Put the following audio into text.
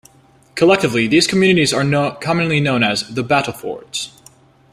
Collectively these communities are commonly known as "The Battlefords".